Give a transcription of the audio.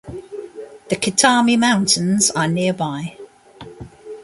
The Kitami Mountains are nearby.